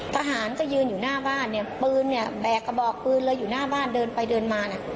ทหารก็ยืนอยู่หน้าบ้านแบกกระบอกปืนเลยอยู่หน้าบ้านเดินไปเดินมา